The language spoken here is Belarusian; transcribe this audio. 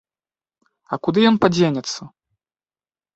А куды ён падзенецца!